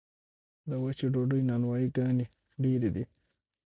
د وچې ډوډۍ نانوایي ګانې ډیرې دي